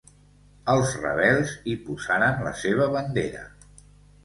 Els rebels hi posaren la seva bandera.